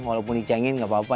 walaupun dicangin nggak apa apa